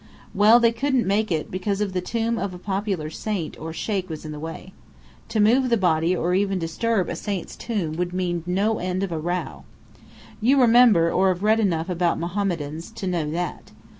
Well, they couldn't make it, because the tomb of a popular saint or sheikh was in the way. To move the body or even disturb a saint's tomb would mean no end of a row. You remember or have read enough about Mohammedans to know that.